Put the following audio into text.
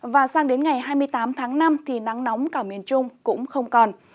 và sang đến ngày hai mươi tám tháng năm thì nắng nóng cả miền trung cũng không còn